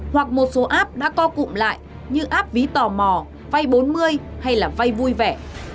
hoặc một số app đã co cụm lại như áp ví tò mò vay bốn mươi hay là vay vui vẻ